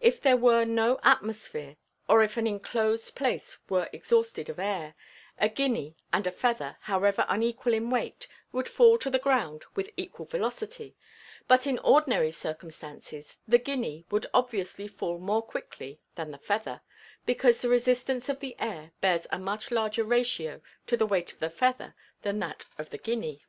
If there were no atmosphere, or if an inclosed place were exhausted of air, a guinea and a feather, however unequal in weight, would fall to the ground with equal velocity, but in ordinary circumstances the guinea would obviously fall more quickly than the feather, because the resistance of the air bears a much larger ratio to the weight of the feather than that of the guinea.